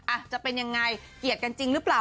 จะเป็นยังไงเกลียดกันจริงหรือเปล่า